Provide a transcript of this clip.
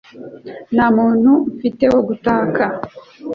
Nta muntu mfite wo gutaka.